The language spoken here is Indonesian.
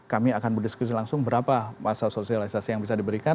kami akan berdiskusi langsung berapa masa sosialisasi yang bisa diberikan